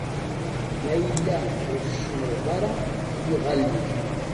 Ma yella ur tcemreḍ ara i yiɣalen-ik.